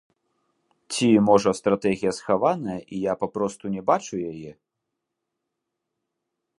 Ці, можа, стратэгія схаваная, і я папросту не бачу яе.